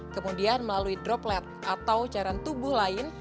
kemudian melalui droplet atau cairan tubuh lain